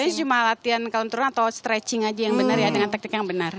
saya cuma latihan counter atau stretching aja yang benar ya dengan teknik yang benar